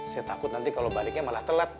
saya takut nanti kalau baliknya malah telat